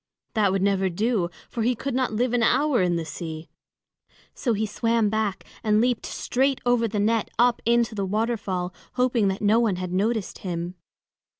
That would never do, for he could not live an hour in the sea. So he swam back and leaped straight over the net up into the waterfall, hoping that no one had noticed him.